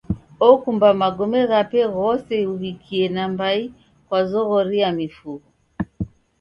Okumba magome ghape ghose uw'ikie nambai kwa zoghori ya mifugho.